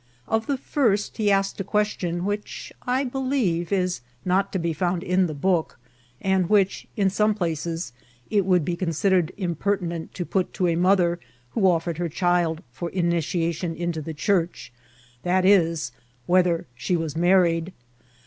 Of the first he asked a question which I believe is not to be found in the book, and which, in some places, it would be considered impertinent to put to a mother who of fered her child for initiation into the Church, viz., whether she was married.